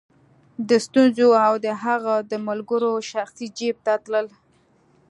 د سټیونز او د هغه د ملګرو شخصي جېب ته تلل.